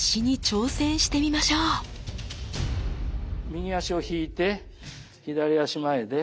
右足を引いて左足前で。